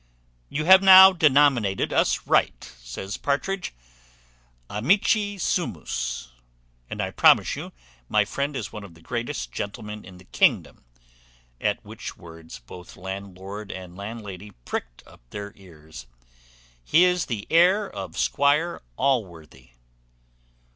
"You have now denominated us right," says Partridge. "Amici sumus. And I promise you my friend is one of the greatest gentlemen in the kingdom" (at which words both landlord and landlady pricked up their ears). "He is the heir of Squire Allworthy."